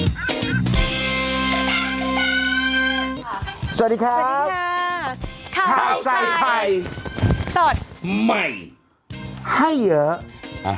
สวัสดีครับสวัสดีครับข่าวใส่ไข่ตรงใหม่ให้เยอะอ่ะ